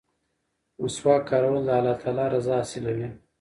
مسواک کارول د الله تعالی رضا حاصلوي.